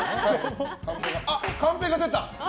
カンペが出た！